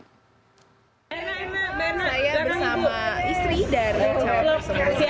saya bersama istri dan cowok tersebut